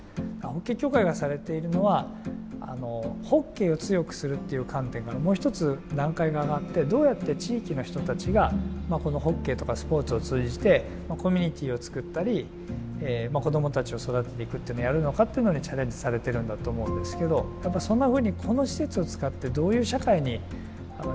ホッケー協会がされているのはホッケーを強くするっていう観点からもう１つ段階が上がってどうやって地域の人たちがホッケーとかスポーツを通じてコミュニティーを作ったり子どもたちを育てていくっていうのをやるのかっていうのにチャレンジされているんだと思うんですけどやっぱりそんなふうにこの施設を使ってどういう社会にしたいか。